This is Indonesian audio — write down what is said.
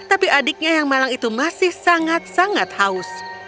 tapi adiknya yang malang itu masih sangat sangat haus